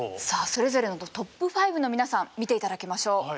さあそれぞれのトップ５の皆さん見て頂きましょう。